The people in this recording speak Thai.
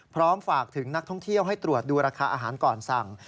พร้อมฝากถึงนักท่องเที่ยวให้ตรวจดูราคาอาหารก่อนสั่ง